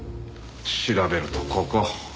調べるとここ。